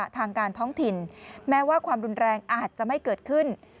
ทางการท้องถิ่นแม้ว่าความรุนแรงอาจจะไม่เกิดขึ้น